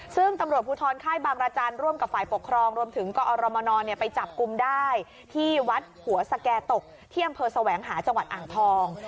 ซึ่งตำรวจภูทรค่ายบางรจันทร์ร่วมกับฝ่ายปกครองรวมถึงกอรมนไปจับกลุ่มได้ที่วัดหัวสแก่ตกที่อำเภอแสวงหาจังหวัดอ่างทอง